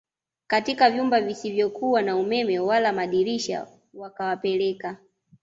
katika vyumba visivyokuwa na umeme wala madirisha wakawapeleka